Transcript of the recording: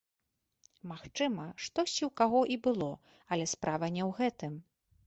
Магчыма, штосьці ў каго і было, але справа не ў гэтым.